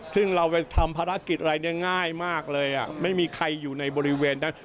ซึ่งเราไปทำภารกิจอะไรเนี่ยง่ายมากเลยไม่มีใครอยู่ในบริเวณนั้น